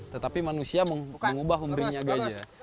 tetapi manusia mengubah humbrinya gajah